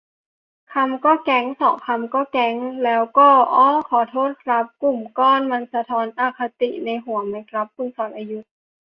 คำก็ 'แก๊ง' สองคำก็ 'แก๊ง' แล้วก็ อ้อ ขอโทษครับ 'กลุ่มก้อน' มันสะท้อนอคติในหัวไหมครับ คุณสรยุทธ์